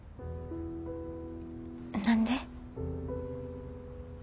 何で？